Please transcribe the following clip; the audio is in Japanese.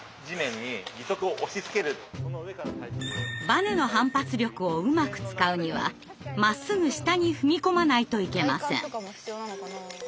バネの反発力をうまく使うにはまっすぐ下に踏み込まないといけません。